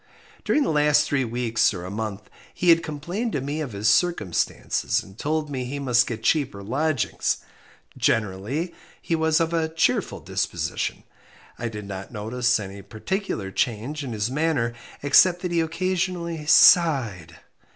During the last three weeks or a month he had complained to me of his circumstances, and told me he must get cheaper lodgings. Generally, he was of a cheerful disposition. I did not notice any particular change in his manner except that he occasionally sighed.